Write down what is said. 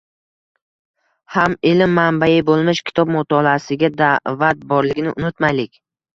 ham ilm manbai bo‘lmish kitob mutolaasiga da’vat borligini unutmaylik.